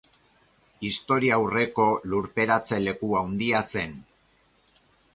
Historiaurreko lurperatze leku handia zen.